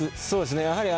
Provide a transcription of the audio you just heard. そうですね。